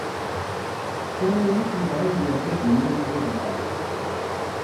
Ḥkan ayen akk yeḍran d yergazen-nni yettwazedɣen.